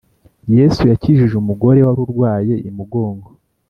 yesu yakijije umugore wari urwaye imugongo